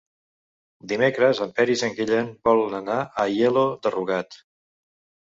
Dimecres en Peris i en Guillem volen anar a Aielo de Rugat.